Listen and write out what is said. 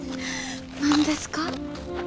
何ですか？